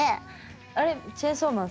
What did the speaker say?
あれ「チェンソーマン」